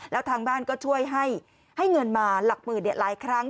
แล้วทางบ้านก็ช่วยให้เงินมาหลักหมื่นหลายครั้ง